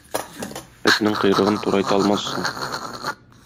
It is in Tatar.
Этнең койрыгын турайта алмассың.